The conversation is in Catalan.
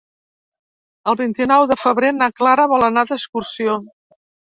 El vint-i-nou de febrer na Clara vol anar d'excursió.